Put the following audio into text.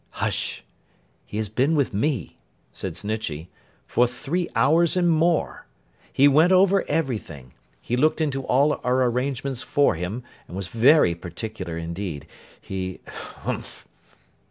'Hush! He has been with me,' said Snitchey, 'for three hours and more. He went over everything. He looked into all our arrangements for him, and was very particular indeed. He—Humph!